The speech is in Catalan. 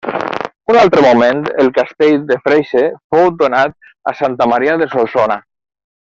Un altre moment, el castell de Freixe fou donat a Santa Maria de Solsona.